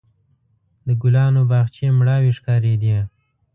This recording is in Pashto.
د ګلانو باغچې مړاوې ښکارېدې.